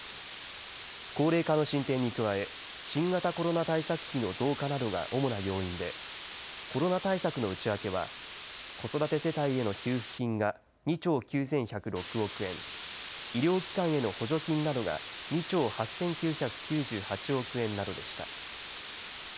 高齢化の進展に加え新型コロナ対策費の増加などが主な要因でコロナ対策の内訳は子育て世帯への給付金が２兆９１０６億円、医療機関への補助金などが２兆８９９８億円などでした。